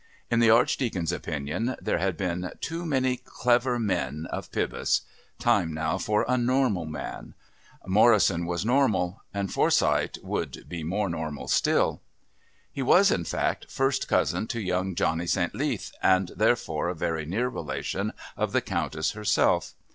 In the Archdeacon's opinion there had been too many clever men of Pybus. Time now for a normal man. Morrison was normal and Forsyth would be more normal still. He was in fact first cousin to young Johnny St. Leath and therefore a very near relation of the Countess herself.